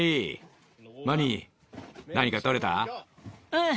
うん。